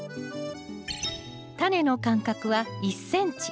タネの間隔は１ｃｍ。